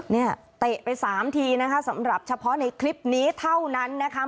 เตะไปสามทีนะคะสำหรับเฉพาะในคลิปนี้เท่านั้นนะคะ